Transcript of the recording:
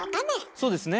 そうですね。